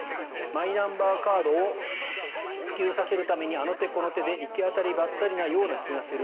マイナンバーカードを普及させるためにあの手この手で行き当たりばったりのような気がする。